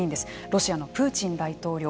ロシアのプーチン大統領